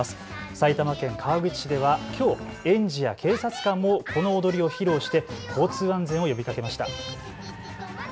埼玉県川口市ではきょう園児や警察官もこの踊りを披露して交通安全を呼びかけました。